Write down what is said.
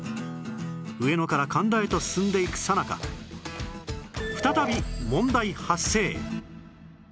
上野から神田へと進んでいくさなか再び問題発生